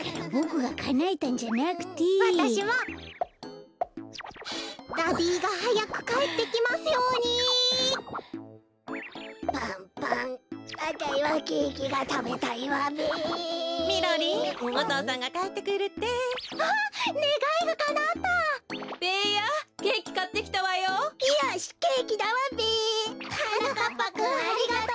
はなかっぱくんありがとう。